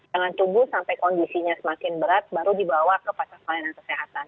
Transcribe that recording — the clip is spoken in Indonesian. jangan tunggu sampai kondisinya semakin berat baru dibawa ke fasilitas pelayanan kesehatan